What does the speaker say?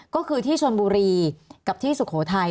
ก็คือที่ชนบุรีกับที่สุโขทัย